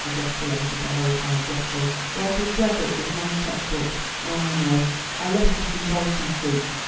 ejaculated the horrified Geoffrey. "Where the devil is my cheque book? Oh, I know, I left it in Bolton Street.